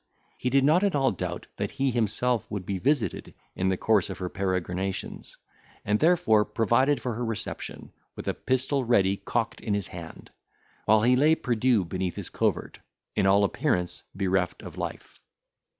He did not at all doubt, that he himself would be visited in the course of her peregrinations, and therefore provided for her reception, with a pistol ready cocked in his hand, while he lay perdue beneath his covert, in all appearance bereft of life.